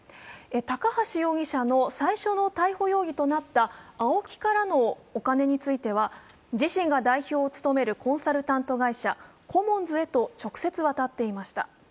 高橋容疑者の最初の逮捕容疑となったＡＯＫＩからのお金については自身が代表を務めるコンサルタント会社、コモンズへと直接、渡っていました。